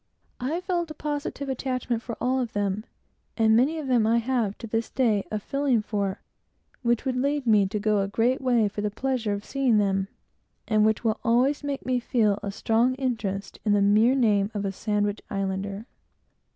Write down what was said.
I felt a positive attachment for almost all of them; and many of them I have, to this time, a feeling for, which would lead me to go a great way for the mere pleasure of seeing them, and which will always make me feel a strong interest in the mere name of a Sandwich Islander.